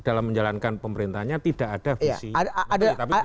dan menjalankan pemerintahnya tidak ada visi